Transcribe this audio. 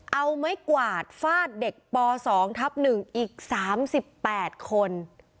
เอาไม่กวาดฟาดเด็กปสองทับหนึ่งอีกสามสิบแปดคน